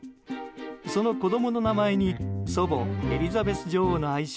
その子供の名前に祖母エリザベス女王の愛称